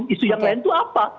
isu yang lain itu apa